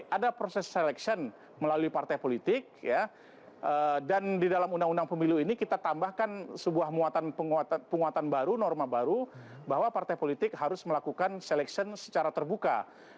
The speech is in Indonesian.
ada proses seleksian melalui partai politik dan di dalam undang undang pemilu ini kita tambahkan sebuah penguatan baru norma baru bahwa partai politik harus melakukan seleksi secara terbuka